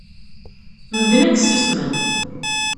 Medden akk ssusmen.